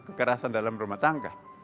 kekerasan dalam rumah tangga